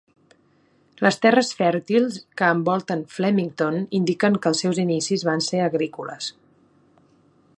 Les terres fèrtils que envolten Flemington indiquen que els seus inicis van ser agrícoles.